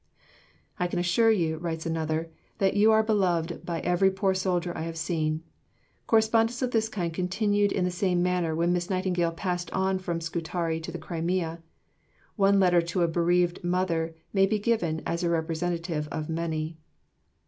"I can assure you," writes another, "that you are beloved by every poor soldier I have seen." Correspondence of this kind continued in the same manner when Miss Nightingale passed on from Scutari to the Crimea. One letter to a bereaved mother may be given as a representative of many